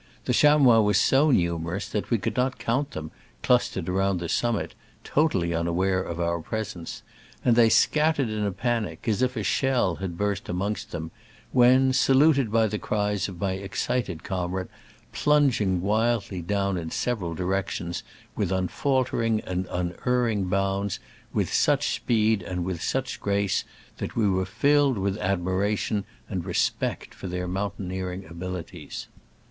The chamois were so numerous that we could not count them, clustered around the summit, to tally unaware of our presence ; and they scattered in a panic, as if a shell had burst amongst them, when saluted by the cries of my excited comrade, plung ing wildly down in several directions, with unfaltering and unerring bounds, with such speed and with such grace that we were filled with admiration and respect for their mountaineering abilities.